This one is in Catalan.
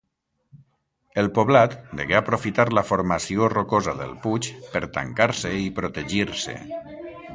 El poblat degué aprofitar la formació rocosa del puig per tancar-se i protegir-se.